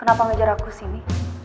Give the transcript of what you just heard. kenapa ngejar aku sini